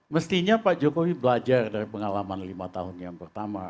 mestinya pak jokowi belajar dari pengalaman lima tahun yang pertama